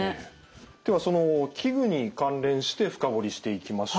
ではその器具に関連して深掘りしていきましょう。